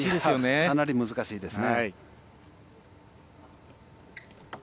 かなり難しいですね。